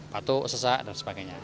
patuh sesak dan sebagainya